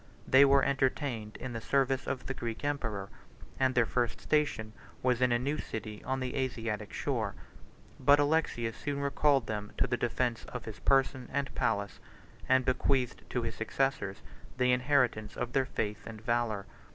They were entertained in the service of the Greek emperor; and their first station was in a new city on the Asiatic shore: but Alexius soon recalled them to the defence of his person and palace; and bequeathed to his successors the inheritance of their faith and valor.